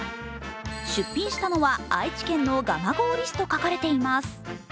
出品したのは、愛知県の蒲郡市と書かれています。